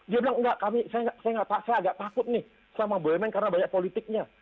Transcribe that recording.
dia bilang enggak kami saya agak takut nih sama bumn karena banyak politiknya